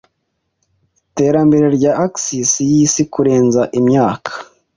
Iterambere rya Axis Yisi Kurenza Imyaka